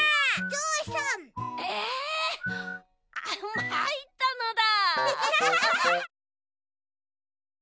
ゾウさん！えまいったのだ。